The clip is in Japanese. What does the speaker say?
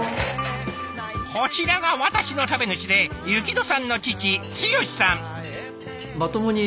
こちらが私の食べ主で薫乃さんの父健志さん。